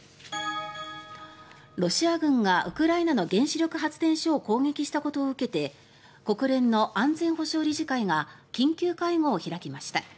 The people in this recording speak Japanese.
ロシア軍がウクライナの原子力発電所を攻撃したことを受けて国連の安全保障理事会が緊急会合を開きました。